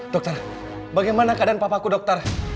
dokter bagaimana keadaan papaku dokter